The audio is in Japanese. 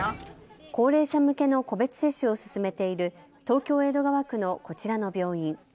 高齢者向けの個別接種を進めている東京江戸川区のこちらの病院。